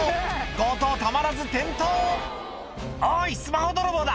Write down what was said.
強盗たまらず転倒「おいスマホ泥棒だ！